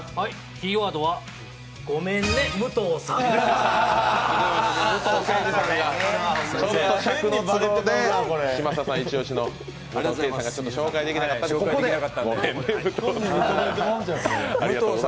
キーワードは「ごめんね武藤さん」。